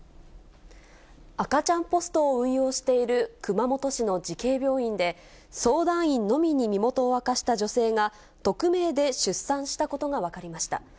赤ちゃんポストを運用している熊本市の慈恵病院で、相談員のみに身元を明かした女性が、匿名で出産したことが分かりました。